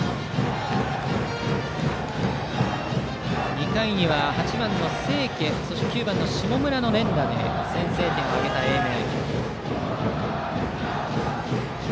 ２回には８番の清家そして９番の下村の連打で先制点を挙げた英明。